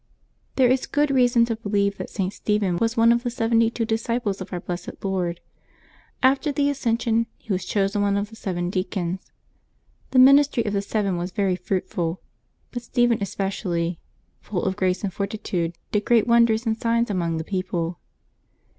j^HERE is good reason to believe that St. Stephen was one Vi^ of the seventy two disciples of our blessed Lord After the Ascension he was chosen one of the seven dea cons. The ministry of the seven was very fruitful; but Stephen especially, " full of grace and fortitude, did great wonders and signs among the people."